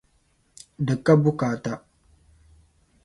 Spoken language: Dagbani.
di ka bukaata.